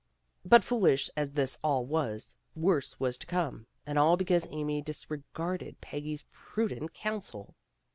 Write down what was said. But foolish as this all was, worse was to come, and all because Amy disregarded Peggy's prudent counsel.